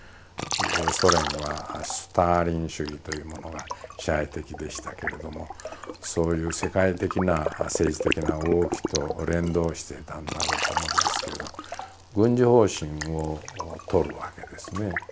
ソ連はスターリン主義というものが支配的でしたけれどもそういう世界的な政治的な動きと連動していたんだろうと思うんですけど軍事方針をとるわけですね。